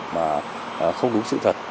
mà không đúng sự thật